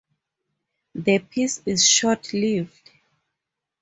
The peace is short-lived.